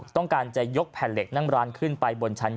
ต้องการจะยกแผ่นเหล็กนั่งร้านขึ้นไปบนชั้น๒